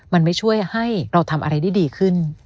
มันไม่ช่วยให้เราทำอะไรได้ดีขึ้น